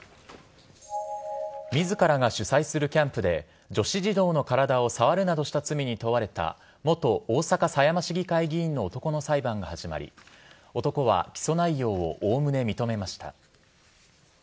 自らが主催するキャンプで女子児童の体を触るなどした罪に問われた元大阪狭山市議会議員の男の裁判が始まり男は起訴内容をおおむね認めました。